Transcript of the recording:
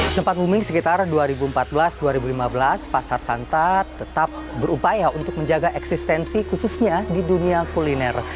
sempat booming sekitar dua ribu empat belas dua ribu lima belas pasar santa tetap berupaya untuk menjaga eksistensi khususnya di dunia kuliner